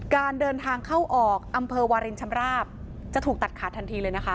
การเดินทางเข้าออกอำเภอวารินชำราบจะถูกตัดขาดทันทีเลยนะคะ